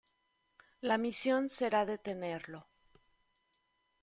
La misión será detenerlo.